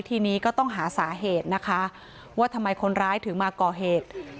ทีนี้ก็ต้องหาสาเหตุนะคะว่าทำไมคนร้ายถึงมาก่อเหตุ